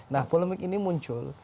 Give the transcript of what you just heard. nah polemik ini muncul